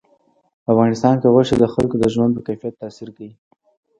په افغانستان کې غوښې د خلکو د ژوند په کیفیت تاثیر کوي.